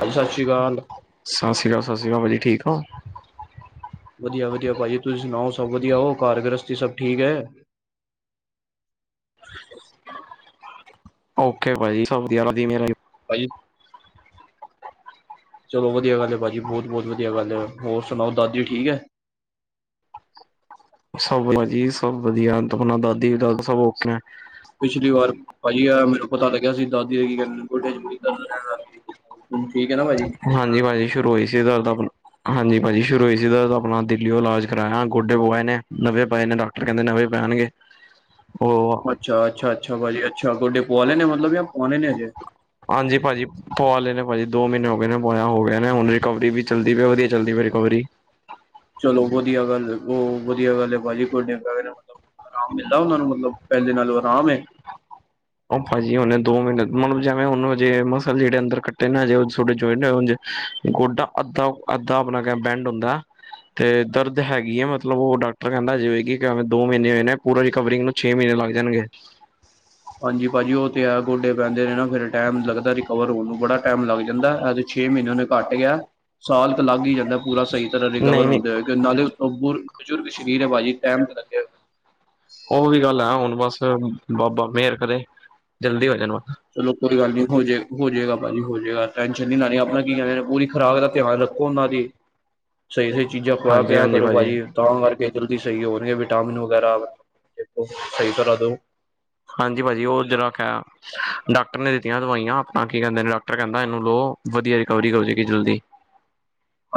ਭਾਜੀ ਸਤਿ ਸ਼੍ਰੀ ਅਕਾਲ ਸਤਿ ਸ੍ਰੀ ਅਕਾਲ, ਸਤਿ ਸ੍ਰੀ ਅਕਾਲ ਭਾਜੀ ਠੀਕ ਹੋ ਵਧੀਆ ਵਧੀਆ ਭਾਜੀ ਤੁਸੀਂ ਸੁਣਾਓ ਸਭ ਵਧੀਆ ਹੋ ਘਾਰ ਗ੍ਰਸਤੀ ਸਭ ਠੀਕ ਹੈ ਓਕੇ ਭਾਜੀ ਸਬ ਵਧੀਆ, ਮੇਹਰ ਹੈ ਜੀ ਭਾਜੀ ਚਲੋ ਵਧੀਆ ਗੱਲ ਹੈ ਭਾਜੀ, ਬਹੁਤ ਬਹੁਤ ਵਧੀਆ ਗੱਲ ਹੈ, ਹੋਰ ਸੁਣਾਓ ਦਾਦੀ ਠੀਕ ਹੈ ਸਭ ਵਧੀਆ ਜੀ ਸਭ ਵਧੀਆ, ਆਪਣਾ ਦਾਦੀ ਦਾਦਾ ਸਭ ਔਕੇ ਐ ਪਿਛਲੀ ਵਾਰ ਭਾਜੀ ਆ ਮਿਲੋ ਪਤਾ ਲੱਗਿਆ ਸੀ ਦਾਦੀ ਦੇ ਕੀ ਕਿੰਹਦੀ, ਗੋਡੇਆਂ ਚ ਬੜੀ ਦਰਦ ਰਹਿਣ ਲਗ ਗਈ, ਠੀਕ ਹੈ ਨਾ ਭਾਜੀ ਹਾਂਜੀ ਹਾਂਜੀ ਸ਼ੁਰੂ ਹੋਈ ਸੀ ਦਰਦ ਆਪਨੂੰ ਹਾਂਜੀ ਭਾਜੀ ਸ਼ੁਰੂ ਹੋਈ ਸੀ ਦਰਦ, ਆਪਣਾ ਦਿੱਲੀਓ ਇਲਾਜ ਕਰਾਇਆ ਗੋਡੇ ਪਵਾਏ ਨੇ, ਨਵੇਂ ਪਾਏ ਨੇ ਡਾ ਫਿਰ ਕਹਿੰਦੇ ਨਵੇਂ ਪੈਣਗੇ ਉਹ ਅੱਛਾ ਅੱਛਾ ਅੱਛਾ ਭਾਜੀ ਅੱਛਾ ਗੋਡੇ ਪਵਾ ਲੇ ਨੇ ਮਤਲਬ, ਯਾ ਪਵਾਣੇ ਨੇ ਹਜੇ ਹਾਂਜੀ ਭਾਜੀ ਪੁਆ ਲੇਨੇ ਪਾਜੀ ਦੋ ਮੀਨੇ ਹੋ ਗਏ ਨੇ ਪੁਆਈਆ ਹੋ ਗਿਆ ਨੇ ਹੁਣ ਰਿਕਵਰੀ ਵੀ ਚੱਲਦੀ ਪਈ ਵਧੀਆ ਚੱਲਦੀ ਪਈ ਰਿਕਵਰੀ। ਚਲੋ ਵੱਧੀਆ ਗੱਲ ਅ ਓ ਵੱਧੀਆ ਗੱਲ ਐ ਪਾਜੀ ਤੁਆਡੇ ਡਾਏਰ ਏ ਮਤਲਬ ਆਰਾਮ ਮਿਲਦਾ ਓਨਾ ਨੂੰ ਮਤਲਬ ਪੇਲੇ ਨਾਲੋਂ ਆਰਾਮ ਏ? ਓ ਪਾਜੀ ਓਨੇ ਦੋ ਮੀਨੇ ਮਤਲਬ ਜਾਨਾ ਓਨੇ ਹਜੇ ਮਸਲ ਜੇੜੇ ਅੰਦਰ ਕੱਟੇ ਨਾ ਹਜੇ ਥੋੜੇ ਜੁੜੇ ਨਈ ਹੋਣਗੇ। ਗੋਡਾ ਅੱਧਾ-ਅੱਧਾ ਆਪਣਾ ਕ ਬੈਂਡ ਹੁੰਦਾ। ਤੇ ਦਰਦ ਹੈਗੀ ਹੈ ਮਤਲਬ ਉਹ ਡਾਕ ਡਾਕਟਰ ਕੇਂਦਾ ਹਜੇ ਹੋਏਗੀ ਕਿਵੇਂ ਦੋ ਮੀਨੇ ਹੋਏ ਨੇ ਪੂਰਾ ਰਿਕਵਰਿੰਗ ਨੂੰ ਛੇ ਮਹੀਨੇ ਲੱਗ ਜਾਣਗੇ। ਹਾਂਜੀ ਪਾਜੀ ਓ ਤੇ ਹੈ ਗੋਡੇ ਪੇਂਦੇ ਨੇ ਨਾ ਫੇਰ ਟੈਮ ਲੱਗਦਾ ਰਿਕਵਰ ਹੋਣ ਨੂੰ ਬੜਾ ਟਾਈਮ ਲੱਗ ਜਾਂਦਾ ਏ ਛੇ ਮੀਨੇ ਓਨੇ ਘੱਟ ਕੇਆ, ਸਾਲ ਤਾ ਲੱਗ ਈ ਜਾਂਦਾ ਪੂਰਾ ਸਈ ਤਰ੍ਹਾਂ ਨਹੀਂ ਰਿਕਵਰ ਨਹੀਂ ਹੁੰਦੇ ਹੋਏ। ਤੇ ਨਾਲੇ ਉਤੋਂ ਬੁਰ ਬਜ਼ੁਰਗ ਸ਼ਰੀਰ ਐ ਪਾਜੀ ਟੈਮ ਤੇ ਲੱਗੇਗਾ। ਚਲੋ ਬਾਬਾ ਮੇਰ ਕਰੇ, ਜਲਦੀ ਹੋ ਜਾਣ ਹੁਣ। ਚਲੋ ਕੋਈ ਗੱਲ ਨੀ ਹੋ ਹੋਜੇਗਾ ਪਾਜੀ ਹੋਜੇਗਾ ਟੈਸ਼ਨ ਨੀ ਲੈਣੀ ਆਪਣਾ ਕੀ ਕੇਂਦੇ ਪੂਰੀ ਖੁਰਾਕ ਦਾ ਧਿਆਨ ਰੱਖੋ। ਓਨਾਂ ਦੀ, ਸਈ -ਸਈ ਚੀਜ਼ਾਂ ਖਵਾਆ ਹਾਂਜੀ ਪਿਆਏਆ ਹਾਂਜੀ ਕਰੋ ਭਾਜੀ ਪਾਜੀ ਤਾ ਕਰਕੇ ਜਲਦੀ ਸਈ ਹੋ ਰਏ ਆ ਵਿਟਾਮਿਨ ਵਗੈਰਾ ਸਈ ਤਰਾ ਦੋ। ਹਾਂਜੀ ਭਾਜੀ ਉਹ ਜਰਾ ਡਾਕਟਰ ਨੇ ਦਿੱਤੀਆਂ ਦਵਾਈਆਂ ਆਪਣਾ ਕੀ ਕੇਂਦੇ ਨੇ ਡਾਕਟਰ ਕੇਂਦਾ ਏਨੂੰ ਲੋਓ ਵੱਧੀਆ ਰਿਕਵਰੀ ਹੋ ਜਾਏਗੀ ਜਲਦੀ।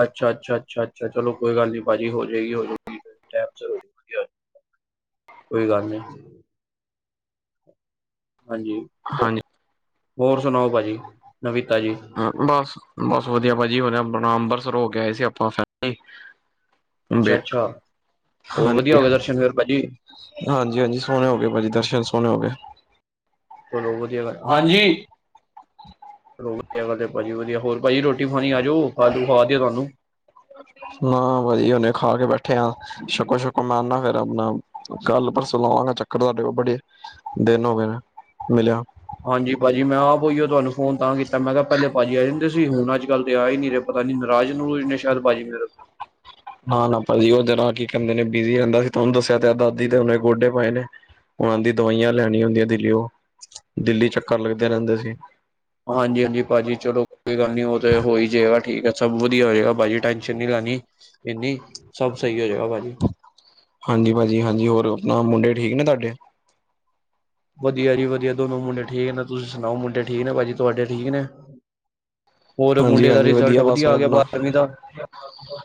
ਅੱਛਾ -ਅੱਛਾ -ਅੱਛਾ -ਅੱਛਾ ਚਲੋ ਕੋਈ ਗੱਲ ਨੀ ਪਾਜੀ ਹੋ ਜਾਏਗੀ- ਹੋ ਜਾਏਗੀ। ਟੈਮ ਸਿਰ ਹੋਜੁਗੀ, ਕੋਈ ਗੱਲ ਨੀ। ਹਾਂਜੀ, ਹੋ ਹਾਂਜੀ ਹੋਰ ਸੁਣਾਓ ਪਾਜੀ ਨਵੀ ਤਾਜੀ? ਹਾ ਬਸ, ਬਸ ਵੱਧੀਆ ਪਾਜੀ ਹੋਰ ਆਪਣਾ ਅੰਬਰਸਰ ਹੋ ਕੇ ਆਏ ਸੀ ਆਪਾ ਸਾਰੇ। ਅੱਛਾ- ਅੱਛਾ ਹੋਰ ਹਾਂਜੀ ਵੱਧੀਆ ਹੋ ਗਏ ਦਰਸ਼ਨ ਫੇਰ ਪਾਜੀ? ਹਾਂਜੀ -ਹਾਂਜੀ ਸੋਣੇ ਹੋ ਗਏ ਪਾਜੀ ਦਰਸ਼ਨ ਸੋਣੇ ਹੋ ਗਏ। ਚਲੋ ਵਧੀਆ ਗੱ ਹਾਂਜੀ [unintelligible] ਵਧੀਆ ਭਾਜੀ ਵਧੀਆ ਹੋਰ ਭਾਜੀ ਰੋਟੀ ਖਾਣੀ ਆਜੋ [unintelligible] ਖਵਾ ਦਿਓ ਤੁਹਾਨੂੰ। ਅ [inaudible] ਨਾ ਵਧੀਆ ਹੁਨੇ ਖਾ ਕੇ ਬੈਠੇ ਆ ਸ਼ਕੋ ਸ਼ੱਕੋ ਮੈਂ ਆਨਾ ਫੇਰ ਆਪਣਾ ਕੱਲ ਪਰਸੋਂ ਲਾਵਾਂਗਾ ਚੱ ਕਰ ਤੁਹਾਡੇ ਕੋਲ ਬੜੇ ਦਿਨ ਹੋਗੇ ਨੇ। ਮਿਲਿਆ ਹਾਂਜੀ ਭਾਜੀ ਮੈਂ ਆਪ ਓਈਓ ਤੁਹਾਨੂੰ ਫ਼ੋਨ ਤਾਂ ਕੀਤਾ ਮੈਂ ਕਿਆ ਪੈਲੇ ਭਾਅਜੀ ਆ ਜਾਂਦੇ ਸੀ ਹੁਣ ਅੱਜ ਕੱਲ ਤੇ ਆ ਈ ਨੀ ਰੇ ਪਤਾ ਨੀ ਨਰਾਜ਼-ਨਰੁਜ ਨੇ ਸ਼ੈਦ ਭਾਅਜੀ ਮੇਰੇ ਨਾ ਨਾ ਭਾਜੀ ਓ ਦਿਨਾਂ ਕੀ ਕੈਂਦੇ ਨੇ ਬਿਜੀ ਰੈਂਦਾ ਸੀ ਤੁਆਂਨੂੰ ਦੱਸਿਆ ਤਾਂ ਹੈ ਦਾਦੀ ਦੇ ਹੁਨੇ ਗੋਡੇ ਪਾਏ ਨੇ। ਓਨਾਂ ਦੀ ਦਵਾਈਆਂ ਲਿਆਨੀਆ ਹੁੰਦੀਆਂ ਦਿੱਲੀਓ ਦਿੱਲੀ ਚੱਕਰ ਲੱਗਦੇ ਰੈਂਦੇ ਸੀ। ਹਾਂਜੀ-ਹਾਂਜੀ ਭਾਅਜੀ ਚਲੋ ਕੋਈ ਗੱਲ ਨੀ ਓ ਤੇ ਹੋ ਈ ਜਾਏਗਾ ਠੀਕ ਆ ਸਭ ਵਧੀਆ ਹੋਏਗਾ ਭਾਅਜੀ ਟੈਂਸ਼ਨ ਨੀ ਲੈਣੀ। ਇੰਨੀ ਸਭ ਸਈ ਹੋ ਜੇਗਾ ਭਾਜੀ। ਹਾਂਜੀ ਭਾਜੀ ਹਾਂਜੀ ਹੋਰ ਆਪਣਾ ਮੁੰਡੇ ਠੀਕ ਨੇ ਤੁਹਾਡੇ? ਵਧੀਆ ਜੀ ਵਧੀਆ ਦੋਨ ਮੁੰਡੇ ਠੀਕ ਨੇ ਤੁਸੀਂ ਸੁਣਾਓ ਮੁੰਡੇ ਠੀਕ ਨੇ ਭਾਜੀ ਤੁਹਾਡੇ ਠੀਕ ਨੇ? ਹੋਰ ਹਾਂਜੀ ਮੁੰਡੇ ਦਾ ਹਾਂਜੀ ਰਿਜ਼ਲਟ ਬਸ ਵਧੀਆ ਮੈਂ ਆ ਗਿਆ ਆਪਣਾ ਬਾਰਵੀਂ ਦਾ?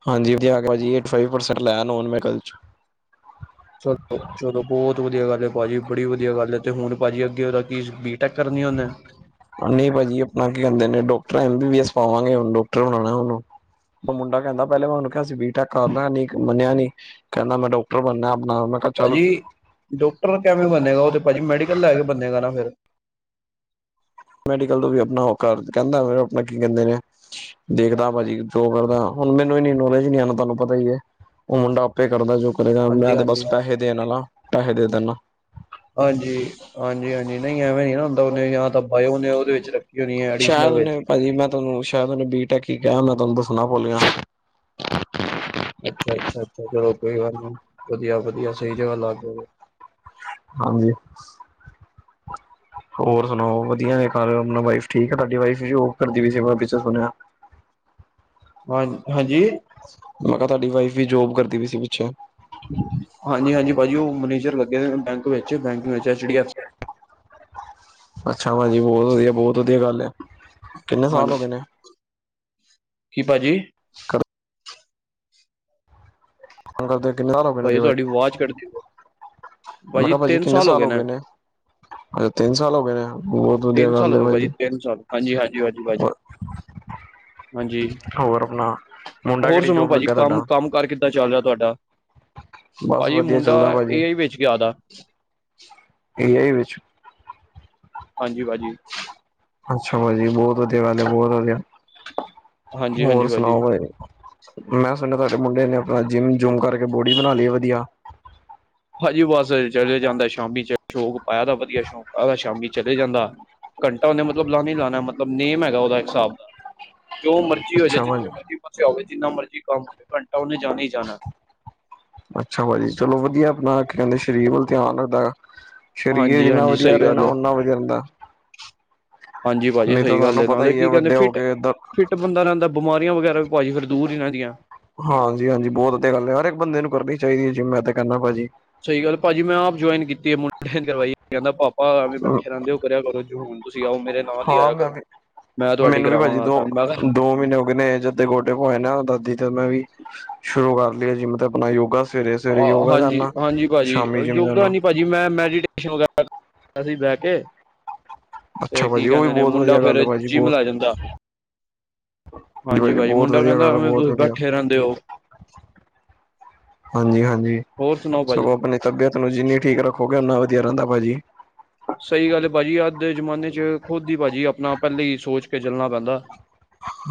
ਹਾਂਜੀ ਵਧੀਆ ਆਗਿਆ ਜੀ ਏਟ ਫਾਇਵ ਪਰਸੈਂਟ ਲੈ ਆਇਆ ਨੋਨ ਮੈਕਲ ਚ। ਚਲੋ ਚਲੋ ਬੋਤ ਵਧੀਆ ਗੱਲ ਐ ਭਾਅਜੀ ਬੜੀ ਵਧੀਆ ਗੱਲ ਤੇ ਹੁਣ ਭਾਜੀ ਅੱਗੇ ਓਦਾ ਕੀ ਬੀਟੈਕ ਕਰਨੀ ਉਨੇ? ਨਈ ਭਾਅਜੀ ਆਪਣਾ ਕੀ ਕੈਂਦੇ ਨੇ doctor M B B S ਪਾਵਾਂਗੇ ਹੁਣ ਡੋਕਟਰ ਬਣਾਣਾ ਉਨੂੰ। ਮ ਮੁੰਡਾ ਕੈਂਦਾ ਪੈਲੇ ਮ ਉਨੂੰ ਕਿਆ ਸੀ ਬੀ ਟੈਕ ਕਰਲਾ ਨੀ ਮੰਨਿਆ ਨੀ ਕੈਂਦਾ ਮੈਂ ਡੋਕਟਰ ਬਣਨਾ ਆਪਣਾ ਕਿਹਾ ਚੱਲ ਭਾਅਜੀ ਡੋਕਟਰ ਕਿਵੇਂ ਬਨੇਗਾ ਓ ਤੇ ਭਾਅਜੀ ਮੈਡੀਕਲ ਲੈ ਕੇ ਬਨੇਗਾ ਨਾ ਫੇਰ ਮੈਡੀਕਲ ਤੋਂ ਵੀ ਆਪਣਾ ਓ ਕਰ ਕੈਂਦਾ ਆਪਣਾ ਕੀ ਕੈਂਦੇ ਨੇ ਦੇਖਦਾ ਭਾਅਜੀ ਜੋ ਕਰਦਾ ਹੁਣ ਮੈਨੂੰ ਇੰਨੀ ਨੌਲੇਜ ਨੀ ਐ ਨਾ ਤੁਹਾਨੂੰ ਪਤਾ ਈ ਐ। ਉਹ ਮੁੰਡਾ ਆਪੇ ਕਰਦਾ ਜੋ ਕਰੇਗਾ, ਹਾਂਜੀ, ਮੈਂ ਤੇ ਹਾਂਜੀ। ਬਸ ਪੈਹੇ ਦੇਣ ਆਲਾ, ਪੈਹੇ ਦੇ ਦਿੰਨਾ। ਹਾਂਜੀ, ਹਾਂਜੀ-ਹਾਂਜੀ, ਨਹੀਂ ਐਵੇਂ ਨੀ ਨਾ ਹੁੰਦਾ, ਉਹਨੇ ਯਾ ਤਾਂ ਪਾਏ ਉਹਨੇ ਉਹਦੇ ਵਿੱਚ ਰੱਖ ਸ਼ਾਇਦ ਉਹਨੇ ਭਾਜੀ ਮੈਂ ਤੁਹਾਨੂੰ, ਸ਼ਾਇਦ ਉਹਨੇ ਬੀ-ਟੈਕ ਈ ਕਿਆ ਹੋਨਾ, ਮੈਂ ਤੁਹਾਨੂੰ ਦੱਸਣਾ ਭੁਲ ਗਿਆਂ। ਅੱਛਾ-ਅੱਛਾ-ਅੱਛਾ, ਚਲੋ ਕੋਈ ਗਲ ਨੀ, ਵਧੀਆ-ਵਧੀਆ ਸਹੀ ਜਗ੍ਹਾ ਲੱਗ ਹੋਵੋ। ਹਾਂਜੀ। ਹੋਰ ਸੁਣਾਓ, ਵਧੀਆ ਨੇ ਘਰ ਅਪਣਾ ਵਾਈਫ ਠੀਕ ਐ ਤੁਹਾਡੀ ਵਾਈਫ ਵੀ ਓ, ਜੋਬ ਕਰਦੀ ਪਈ ਸੀ, ਮੈਂ ਪਿੱਛੇ ਸੁਣਿਆ? ਹਾਂ, ਹਾਂਜੀ? ਮੈਂ ਕਿਹਾ ਤਹਾਡੀ ਵਾਈਫ ਵੀ ਜੋਬ ਕਰਦੀ ਪੀ ਸੀ ਪਿੱਛੋਂ। ਹਾਂਜੀ-ਹਾਂਜੀ ਭਾਜੀ, ਉਹ ਮਨੇਜਰ ਲੱਗੇ ਹੋਏ ਬੈਂਕ ਵਿੱਚ, ਬੈਂਕ ਵਿੱਚ ਐਚ ਡੀ ਐਫ ਅੱਛਾ ਭਾਜੀ, ਬਹੁਤ ਵਧੀਆ, ਬਹੁਤ ਵਧੀਆ ਗੱਲ ਐ, ਕਿੰਨੇ ਸਾਲ ਹਾਂਜੀ ਹੋਗੇ ਨੇ? ਕੀ ਭਾਜੀ? ਅੰਦਰ ਦੇਖ ਭਾਜੀ ਤੁਹਾਡੀ ਅਵਾਜ਼ ਕਟਦੀ ਪੀ ਆ, ਮੈਂ ਭਾਜੀ ਕਿਹਾ ਤਿੰਨ ਕਿੰਨੇ ਸਾਲ ਹੋਗੇ ਹੋ ਨੇ। ਗਏ ਅੱਛਾ ਤਿੰਨ ਸਾਲ ਹੋ ਗਏ ਨੇ ਬਹੁਤ ਵਧੀਆ ਤਿੰਨ ਸਾਲ ਗੱਲ ਹੈ ਹੋਗੇ ਭਾਜੀ, ਤਿੰਨ ਸਾਲ, ਹਾਂਜੀ-ਹਾਂਜੀ, ਹਾਂਜੀ, ਭਾਜੀ। ਹਾਂਜੀ, ਹੋਰ ਆਪਣਾ ਮੁੰਡਾ ਹੋਰ ਕਿਹੜੀ ਸੁਣਾਉ ਜੋਬ ਭਾਜੀ ਲੱਗਾ ਕੰਮ, ਤੁਹਾਡਾ ਕੰਮ-ਕਾਰ ਕਿੱਦਾਂ ਚੱਲ ਰਿਹਾ ਤੁਹਾਡਾ? ਬਸ ਭਾਜੀ ਵਧੀਆ ਮੁੰਡਾ, ਚੱਲਦਾ ਭਾਜੀ ਏ ਆਈ ਵਿਚ ਗਿਆਦਾ। ਏ ਆਈ ਵਿੱਚ? ਹਾਂਜੀ ਭਾਜੀ। ਅੱਛਾ ਭਾਜੀ ਬਹੁਤ ਵਧੀਆ ਗੱਲ ਐ, ਬਹੁਤ ਵਧੀਆ, ਹਾਂਜੀ ਹਾਂਜੀ ਹੋਰ ਸੁਣਾਓ ਭਾਜੀ? ਮੈਂ ਸੁਣਿਆ, ਤੁਹਾਡੇ ਮੁੰਡੇ ਨੇ ਅਪਣਾ ਜਿੰਮ-ਜੁਮ ਕਰਕੇ ਬੋਡੀ ਬਣਾ ਲਈ ਏ ਵਧੀਆ? ਭਾਜੀ ਬਸ ਚਲੇ ਜਾਂਦਾ ਸ਼ਾਮੀ ਚ ਸ਼ੌਂਕ ਪਾਇਆ ਦਾ, ਵਧੀਆ ਸ਼ੌਂਕ ਪਾਇ ਦਾ ਸ਼ਾਮੀ ਚਲੇ ਜਾਂਦਾ। ਘੰਟਾ ਉਹਨੇ ਮਤਲਬ ਲਾਣਾ ਈ ਲਾਣਾ ਮਤਲਬ ਨੇਮ ਹੈਗਾ ਉਹਦਾ ਇੱਕ ਹਿਸਾਬ ਦਾ, ਜੋ ਮਰਜ਼ ਜੀ ਹੋਜੇ, ਅੱਛਾ ਭਾਜੀ ਜਿੱਥੇ ਮਰਜ਼ੀ ਫਸਿਆ ਹੋਵੇ, ਜਿੰਨਾ ਮਰਜ਼ੀ ਕੰਮ ਹੋਵੇ ਘੰਟਾ ਉਹਨੇ ਜਾਣਾ ਈ ਜਾਣਾ। ਅੱਛਾ ਭਾਜੀ, ਚਲੋ ਵਧੀਆ ਅਪਨਾ ਕਹਿੰਦੇ ਸ਼ਰੀਰ ਵੱਲ ਧਿਆਨ ਰੱਖਦਾ। ਸਰੀਰ ਹਾਂਜੀ ਜਿੰਨਾ ਹਾਂਜੀ ਵਧੀਆ ਸਹੀ ਰਹੇ ਨਾ, ਗੱਲ ਹੈ ਓਨਾ ਵਧੀਆ ਹੁੰਦਾ। ਹਾਂਜੀ ਭਾਜੀ ਸਹੀ ਗੱਲ ਤੁਹਾਨੂੰ ਏ, ਪਤਾ ਨਾਲੇ ਹੀ ਹੈ ਕੀ ਕਹਿੰਦੇ ਵੱਡੇ ਹੋ ਫਿੱਟ, ਕੇ ਏਦਾਂ ਫਿੱਟ ਬੰਦਾ ਰਹਿੰਦਾ, ਬਿਮਾਰੀਆਂ ਵਗੈਰਾ ਵੀ ਭਾਜੀ ਫਿਰ ਦੂਰ ਹੀ ਰਹਿੰਦੀਆ। ਹਾਂਜੀ-ਹਾਂਜੀ ਬਹੁਤ ਵਧੀਆ ਗੱਲ ਐ, ਹਰ ਇੱਕ ਬੰਦੇ ਨੂੰ ਕਰਨੀ ਚਾਹੀਦੀ ਏ ਜਿੰਮ, ਮੈਂ ਤਾਂ ਕਹਿੰਨਾ ਭਾਜੀ। ਸਹੀ ਗੱਲ ਆ ਭਾਜੀ, ਮੈਂ ਆਪ ਜੁੌਇਨ ਕੀਤੀ ਏ, ਮੁੰਡੇ ਨੇ ਕਰਵਾਈ, ਕਹਿੰਦਾ ਪਾਪਾ ਐਂਵੇ ਬੈਠੇ ਰਹਿੰਦੇ ਓ, ਕਰਿਆ ਕਰੋ ਜੁਨ। ਹਾਂ ਮੈਂ ਵੀ, ਮੈਂ ਤੁਹਾਡੀ ਮੈਨੂੰ ਵੀ ਭਾਜੀ ਕਰਾਵਾਂਗਾ ਦੋ, ਕੰਮ ਮੈਂ ਕਿਹਾ ਦੋ ਮ੍ਹੀਨੇ ਹੋ ਗਏ ਨੇ, ਜਦੋਂ ਦੇ ਗੋਡੇ ਪਵਾਏ ਨਾ, ਤਦ ਦੀ ਤਾ ਮੈਂ ਵੀ, ਸ਼ੁਰੂ ਕਰ ਲੀਏ ਜਿੰਮ ਤਾ ਆਪਣਾ ਯੋਗਾ ਸਵੇਰੇ- ਸਵੇਰੇ ਆ, ਯੋਗਾ ਜਾਂਨਾ, ਸ਼ਾਮੀ ਜਿੰਮ ਜਾਨਾ। ਜੀ ਮੈਂ, ਮੈਡੀਟੇਸ਼ਨ ਵਗੈਰਾ ਅਸੀਂ ਬਹਿਕੇ, ਤੇ ਅੱਛਾ ਕੀ ਭਾਜੀ ਉਹ ਵੀ ਕਹਿੰਦੇ ਨੇ, ਬਹੁਤ ਮੁੰਡਾ ਵਧੀਆ ਗੱਲ ਫਿਰ ਹੈ ਭਾਜੀ ਜਿੰਮ ਬਹੁਤ ਲੈ ਜਾਂਦਾ। ਜੀ ਹਾਂਜੀ ਭਾਜੀ ਬਹੁਤ ਮੁੰਡਾ ਵਧੀਆ ਕਹਿੰਦਾ ਗੱਲ ਆ, ਐਵੇਂ ਬਹੁਤ ਤੁਸੀਂ ਵਧੀਆ। ਬੈਠੇ ਰਹਿੰਦੇ ਹੋ ਹਾਂਜੀ-ਹਾਂਜੀ, ਹੋਰ ਸੁਣਾਓ ਸਗੋਂ ਭਾਜੀ ਅਪਣੇ ਤਬੀਅਤ ਨੂੰ ਜਿੰਨੀ ਠੀਕ ਰੱਖੋਗੇ, ਉੰਨਾ ਵਧੀਆ ਰਹਿੰਦਾ ਭਾਜੀ। ਸਹੀ ਗੱਲ ਏ ਭਾਜੀ, ਅੱਜ ਦੇ ਜਮਾਨੇ'ਚ ਖੁੱਦ ਹੀ ਭਾਜੀ ਅਪਣਾ ਪਹਿਲੇ ਈ ਸੋਚਕੇ ਚੱਲਣਾ ਪੈਂਦਾ।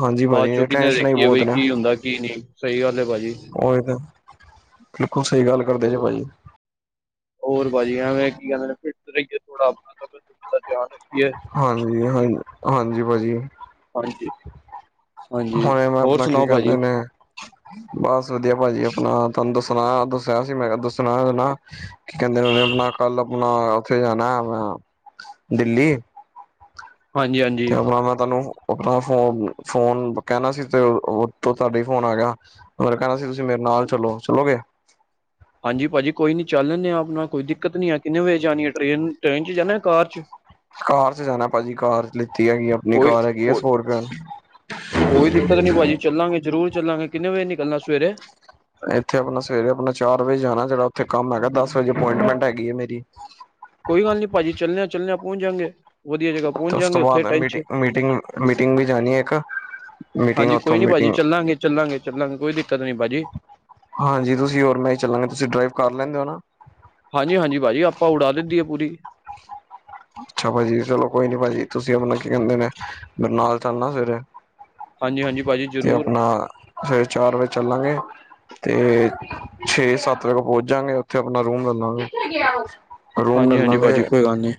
ਹਾਂਜੀ ਭਾਜੀ ਬਾਅਦ'ਚੋ ਕੀਨੇ ਟੈਨਸ਼ਨਾਂ ਹੀ ਦੇਖੀਏ ਬਹੁਤ ਬਈ, ਨੇ ਕੀ ਹੁੰਦਾ ਕੀ ਨਹੀਂ, ਸਹੀ ਗੱਲ ਐ ਭਾਜੀ। ਓਈ ਤੇ, ਬਿਲਕੁਲ ਸਹੀ ਗੱਲ ਕਰਦੇ ਜੇ ਭਾਜੀ। ਹੋਰ ਭਾਜੀ, ਐਵੇਂ ਕੀ ਕਹਿੰਦੇ ਨੇ, ਫਿੱਟ ਰਹੀਏ ਥੋੜਾ, ਆਪਣਾ ਤਬੀਅਤ ਦਾ ਧਿਆਨ ਰ ਹਾਂਜੀ, ਹਾਂ, ਹਾਂਜੀ ਭਾਜੀ। ਹਾਂਜੀ। ਹਾਂਜੀ ਹੁਣੇ ਮੈਂ ਹੋਰ ਅਪਣਾ, ਕੀ ਸੁਣਾਓ ਕਹਿੰਦੇ ਭਾਜੀ ਨੇ ਬਸ ਵਧੀਆ ਭਾਜੀ, ਆਪਣਾ ਤੁਹਾਨੂੰ ਦੱਸਣਾ ਆਇਆ ਦੱਸਿਆ ਸੀ ਮੈਂ ਦੱਸਣਾ ਨਾ, ਕੀ ਕਹਿੰਦੇ ਨੇ ਆਪਣਾ, ਕੱਲ ਆਪਣਾ ਉੱਥੇ ਜਾਣਾ, ਅਪਨਾ ਦਿੱਲੀ ਹਾਂਜੀ, ਹਾਂਜੀ। ਤੇ ਆਪਣਾ ਮੈਂ ਤੁਹਾਨੂੰ ਆਪਣਾ ਫੋਨ, ਫੋਨ ਕਹਿਣਾ ਸੀ ਤੇ, ਤੁਹਾਡੇ ਫੋਨ ਆ ਗਿਆ। ਮੈ ਕਹਿਣਾ ਸੀ ਤੁਸੀਂ ਮੇਰੇ ਨਾਲ ਚਲੋ, ਚਲੋਗੇ? ਹਾਂਜੀ ਭਾਜੀ ਕੋਈ ਨੀ, ਚਲ ਲੈਂਦੇ ਆ ਆਪਣਾ, ਕੋਈ ਦਿੱਕਤ ਨੀ ਹੈ। ਕਿੰਨੇ ਵਜੇ ਜਾਣੀ ਹੈ ਟ੍ਰੇਨ, ਟ੍ਰੇਨ 'ਚ ਜਾਣਾ ਕਾਰ 'ਚ? ਕਾਰ 'ਚ ਜਾਣਾ ਭਾਜੀ, ਕਾਰ ਲਿੱਤੀ ਹੈਗੀ ਆ। ਕੋਈ ਕੋ ਕੋਈ ਦਿੱਕਤ ਨੀ ਭਾਜੀ, ਚੱਲਾਂਗੇ ਜ਼ਰੂਰ ਚੱਲਾਂਗੇ। ਕਿੰਨੇ ਵਜੇ ਨਿਕਲਣਾ ਸਵੇਰੇ? ਇੱਥੇ ਆਪਣਾ ਸਵੇਰੇ ਆਪਣਾ, ਚਾਰ ਵਜੇ ਜਾਣਾ ਜਿਹੜਾ ਉੱਥੇ ਕੰਮ ਹੈਗਾ, ਦਸ ਵਜੇ ਅਪੁਇੰਟਮੈਂਟ ਹੈਗੀ ਹੈ ਮੇਰੀ। ਕੋਈ ਗੱਲ ਨੀ ਭਾਜੀ ਚੱਲਿਆਾਂ, ਚੱਲਦੇਿਆ ਪਹੁੰਚ ਜਾਣਗੇ ਵਧੀਆ ਜਗ੍ਹਾ। ਪਹੁੰਚ ਦਸ ਜਾਂਗੇ ਤੋਂ ਉੱਥੇ ਬਾਅਦ ਮਟ- ਟੈਂਸ਼ਨ ਮੀਟਿੰਗ, ਮੀਟਿੰਗ ਵੀ ਜਾਣੀ ਹੈ ਇੱਕ ਮੀਟਿੰਗ ਹਾਂਜੀ ਉੱਥੋਂ ਕੋਈ ਨੀ ਭਾਜੀ ਮੀਟਿੰਗ ਚੱਲਾਂਗੇ, ਚੱਲਾਂਗੇ, ਚੱਲਾਂਗੇ ਕੋਈ ਦਿੱਕਤ ਨੀ ਭਾਜੀ। ਹਾਂਜੀ ਤੁਸੀਂ ਹੋਰ ਮੈਂ ਹੀ ਚੱਲਾਂਗੇ, ਤੁਸੀਂ ਡਰਾਈਵ ਕਰ ਲੈਂਦੇ ਹੋ ਨਾ? ਹਾਂਜੀ, ਹਾਂਜੀ ਭਾਜੀ ਆਪਾਂ ਉਡਾ ਦਿੰਦੀ ਹੈ ਪੂਰੀ। ਅੱਛਾ ਭਾਜੀ, ਚਲੋ ਕੋਈ ਨੀ ਭਾਜੀ, ਤੁਸੀਂ ਆਪਣਾ ਕੀ ਕਹਿੰਦੇ ਨੇ, ਮੇਰੇ ਨਾਲ ਚੱਲਣਾ‌ ਸਵੇਰੇ। ਹਾਂਜੀ ਹਾਂਜੀ ਭਾਜੀ 'ਤੇ ਜ਼ਰੂਰ ਆਪਣਾ, ਸਵੇਰੇ ਚਾਰ ਵਜੇ ਚੱਲਾਂਗੇ 'ਤੇ ਛੇ-ਸੱਤ ਵਜੇ ਪਹੁੰਚ ਜਾਂਗੇ, ਉੱਥੇ ਆਪਣਾ ਰੂਮ ਲੈ ਲਾਗੇ। ਰੂਮ ਲੈਂ ਲਾਗੇ। ਆਨੀ।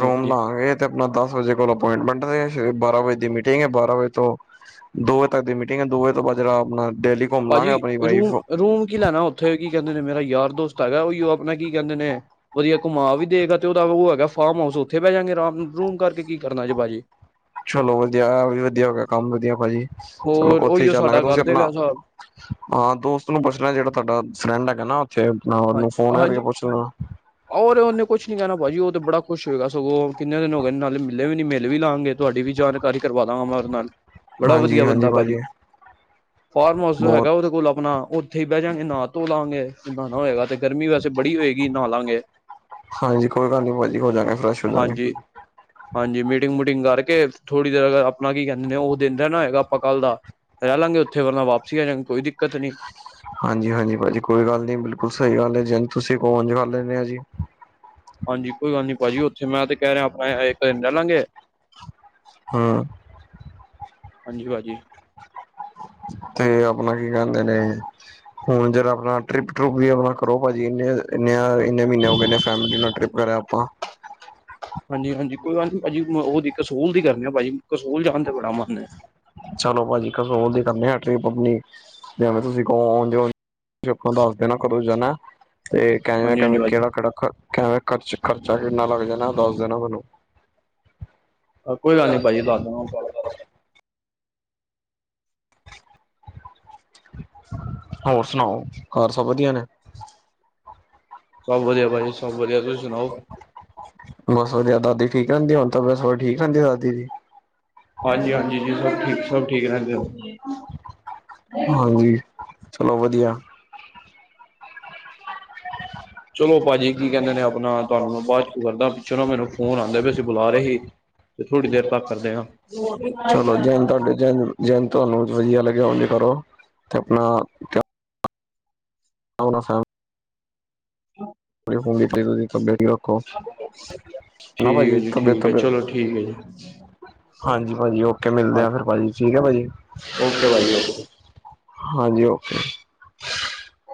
ਨੀ ਭਾਜੀ ਲਾਂਗੇ 'ਤੇ ਆਪਣਾ ਦਸ ਵਜੇ ਕੋਲ ਅਪਾਇੰਟਮੈਂਟ ਦੇ, ਫਿਰ ਬਾਰਾਂ ਵਜੇ ਦੀ ਮੀਟਿੰਗ ਐ, ਬਾਰਾਂ ਵਜੇ ਤੋਂ ਦੋ ਵਜੇ ਤੱਕ ਦੀ ਮੀਟਿੰਗ ਐ। ਦੋ ਵਜੇ ਤੋਂ ਬਾਅ ਜੇਰਾ ਆਪਣਾ, ਡੇਲੀ ਘੁੰਮ ਲਾਂਗੇ ਭਾਜੀ ਆਪਣੀ ਰੂਮ, ਵਾਈਫ ਰੂਮ ਕੀ ਲੈਣਾ ਉੱਥੇ ਕੀ ਕਹਿੰਦੇ ਨੇ ਮੇਰਾ ਯਾਰ ਦੋਸਤ ਹੈਗਾ, ਉਈਓ ਆਪਣਾ ਕੀ ਕਹਿੰਦੇ ਨੇ ਵਧੀਆ ਘੁਮਾ ਵੀ ਦੇਗਾ, 'ਤੇ ਉਹਦਾ ਉਹ ਹੈਗਾ ਫਾਰਮ ਹਾਊਸ, ਉੱਥੇ ਬੈ ਜਾਗੇ ਆਰਾਮ, ਰੂਮ ਕਰਕੇ ਕੀ ਕਰਨਾ ਜੇ ਭਾਜੀ। ਚਲੋ ਵਧੀਆ, ਐ ਵੀ ਵਧੀਆ ਹੋ ਗਿਆ ਕੰਮ ਵਧੀਆ ਭਾਜੀ, ਚਲੋ ਹੋਰ ਉੱਥੇ ਈ ਉਹੀਓ ਚਾਲਾਂਗੇ। ਸਾਡਾ ਤੁਸੀਂ ਕਰ ਦੇਗਾ ਆਪਣਾ ਹਿਸਾਬ ਹਾਂ ਦੋਸਤ ਨੂੰ ਪੁੱਛਣਾ, ਜਿਹੜਾ ਤੁਹਾਡਾ ਫਰੈਂਨਡ ਹੈਗਾ ਨਾ 'ਤੇ ਆਪਣਾ ਹਾਂ ਉਹਨੂੰ, ਫੋਨ ਕਰਕੇ ਹਾਂਜੀ ਪੁੱਛ ਲੈਨਾ। ਔਰ ਉਹਨੇ ਕੁਛ ਨੀ ਕਹਿਣਾ ਭਾਜੀ, ਉਹ 'ਤੇ ਬੜਾ ਖੁਸ਼ ਹੋਏਗਾ ਸਗੋਂ, ਉਹ ਕਿੰਨੇ ਦਿਨ ਹੋ ਗਏ ਨਾਲੇ ਮਿਲੇ ਵੀ ਨੀ, ਮਿਲ ਵੀ ਲਾਂਗੇ। ਤੁਹਾਡੀ ਵੀ ਜਾਣ ਕਾਰੀ ਕਰਵਾ ਦਾਂਗਾ, ਮੈਂ ਉਹਦੇ ਨਾਲ। ਬੜਾ ਹਾਂਜੀ ਵਧੀਆ ਹਾਂਜੀ ਬੰਦਾ ਭਾਜੀ, ਫਾਰਮ ਹਾਊਸ ਜੋ ਬਹੁਤ ਹੈਗਾ ਉਹਦੇ ਕੋਲ ਆਪਣਾ, ਉ ੳਥੇ ਈ ਬਹਿ ਜਾਗੇ, ਨਾ ਧੋ ਲਾਂਗੇ, ਨਾਣਾ ਹੋਏਗਾ 'ਤੇ ਗਰਮੀ ਵੈਸੇ ਬੜੀ ਹੋਏਗੀ, ਨਾਂ ਲਾਂਗੇ, ਹਾਂਜੀ ਕੋਈ ਗੱਲ ਨੀ ਭਾਜੀ ਹੋ ਜਾਂਗੇ ਫਰੈਸ਼ ਹੋ ਜਾਂਗੇ ਹਾਂਜੀ। ਹਾਂਜੀ ਮੀਟਿੰਗ-ਮੂਟਿੰਗ ਕਰਕੇ, ਥੋੜ੍ਹੀ ਦੇਰ ਅਗਰ ਆਪਣਾ ਕੀ ਕਹਿੰਦੇ ਨੇ, ਉਹ ਦਿਨ ਦਾ ਨਾ ਹੋਏਗਾ। ਆਪਾਂ ਕੱਲ੍ਹ ਦਾ ਰਹਿ ਲਾਂਗੇ ਉੱਥੇ, ਵਰਨਾ ਵਾਪਸੀ ਆ ਜਾਗੇ, ਕੋਈ ਦਿੱਕਤ ਨੀ। ਹਾਂਜੀ-ਹਾਂਜੀ ਭਾਜੀ, ਕੋਈ ਗੱਲ ਨੀ ਬਿਲਕੁਲ ਸਈ ਗੱਲ ਐ। ਜਿਨ ਤੁਸੀਂ ਕਹੋ, ਉਝ ਕਰ ਲੈਨੇ ਆ ਜੀ। ਹਾਂਜੀ ਕੋਈ ਗੱਲ ਨੀ ਭਾਜੀ, ਉੱਥੇ ਮੈਂ 'ਤੇ ਕਹਿ ਰਿਹਾ, ਆਪਾਂ ਐ ਇੱਕ ਦਿਨ ਰਹਿ ਲਾਂਗੇ। ਹਾਂ। ਹਾਂਜੀ ਭਾਜੀ। 'ਤੇ ਆਪਣਾ ਕੀ ਕਹਿੰਦੇ ਨੇ ਹੁਣ ਜਰਾ ਆਪਣਾ, ਟਰਿੱਪ-ਟਰੁਪ ਵੀ ਆਪਣਾ ਕਰੋ ਭਾਜੀ। ਇਨੇ ਇੰਨੇ ਆ ਇੰਨੇ ਮ੍ਹੀਨੇ ਹੋ ਗਏ ਨੇ, ਫੈਮਿਲੀ ਨਾਲ ਟਰਿਪ ਕਰਿਆ ਆਪਾਂ। ਹਾਂਜੀ-ਹਾਂਜੀ ਕੋਈ ਗੱਲ ਨੀ ਭਾਜੀ, ਮ ਉਹਦੀ ਕਸੂਲ ਦੀ ਕਰਨੀ ਆ ਭਾਜੀ, ਕਸੂਲ ਜਾਣ 'ਤੇ ਬੜਾ ਮਨ ਐ। ਚਲੋ ਭਾਜੀ, ਕਸੂਲ ਦੀ ਕਰਨੀ ਆ ਟ੍ਰਿਪ ਆਪਣੀ ਜਿਵੇਂ ਤੁਸੀਂ ਕਹੋ ਉਝ ਉ, ਝ ਆਪ ਦੱਸ ਦੇਣਾ ਕਦੋਂ ਜਾਣਾ? 'ਤੇ ਹਾਂਜੀ ਹਾਂਜੀ ਕੇਵੇਂ-ਕੇਵੇਂ, ਭਾਜੀ ਕਿਹੜਾ-ਕਿਹੜਾ ਖਰ ਖੈ ਖਰਚ ਖਰਚਾ ਕਿੰਨਾ ਲੱਗ ਜਾਣਾ ਦੱਸ ਦੇਣਾ ਮੈਨੂੰ। ਕੋਈ ਗੱਲ ਨੀ ਭਾਜੀ ਦਸ ਦਾਗਾ ਉਣ ਤੁਹਾਨ। ਹੋਰ ਸੁਣਾਓ ਘਰ ਸਭ ਵਧੀਆ ਨੇ? ਸਭ ਵਧੀਆ ਭਾਜੀ ਸਭ ਵਧੀਆ ਤੁਸੀਂ ਸੁਣਾਓ? ਬਸ ਵਧੀਆ, ਦਾਦੀ ਠੀਕ ਰਹਿੰਦੀ ਆ ਹੁਣ ਤਬਿਯਤ ਤੁਬਿਯਤ ਹੋਰ ਠੀਕ ਰਹਿੰਦੀ ਆ ਦਾਦੀ ਦੀ? ਹਾਂਜੀ-ਹਾਂਜੀ ਜੀ, ਸਭ ਠੀਕ ਸਭ ਠੀਕ ਰਹਿੰਦੇ ਉਣ। ਹਾਂਜੀ ਚਲੋ ਵਧੀਆ। [inaudible] ਚਲੋ ਭਾਜੀ ਕੀ ਕਹਿੰਦੇ ਨੇ ਆਪਣਾ ਤੁਹਾਨੂੰ ਮੈਂ ਬਾਦ 'ਚ ਕਰਦਾ ਪਿੱਛੋਂ ਨਾ ਮੈਨੂੰ ਫੋਨ ਆਂਦੇ ਪੇ ਸੀ ਬੁਲਾ ਰੇ ਹੀ। ਚਲੋ ਦਿਨ ਤੁਹਾਡੇ ਦਿਨ ਜਿਨ ਤੁਹਾਨੂੰ ਵਧੀਆ ਲੱਗਿਆ ਉਝ ਕਰੋ ਤੇ ਆਪਣਾ ਆਪਣਾ ਸੈ [inaudible] ਆਪਣੀ ਫੰਨ ਦੀ ਪਲੀਜ਼ ਤੁਸੀ ਅਪਡੇਟ ਈ ਰੱਖੋ। ਨਾ ਠੀਕ ਏ ਭਾਜੀ ਜੀ, ਤਬੀਅਤ ਠੀਕ ਏ ਤਬੀਅਤ ਚਲੋ ਠੀਕ ਐ ਜੀ। ਹਾਂਜੀ, ਭਾਜੀ ਓਕੇ ਮਿਲਦੇ ਆ ਫਿਰ ਭਾਜੀ ਠੀਕ ਆ ਭਾਜੀ। ਓਕੇ ਭਾਜੀ ਓਕੇ ਹਾਂਜੀ ਓਕੇ। [inaudible]